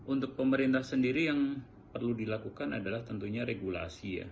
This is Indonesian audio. untuk pemerintah sendiri yang perlu dilakukan adalah tentunya regulasi ya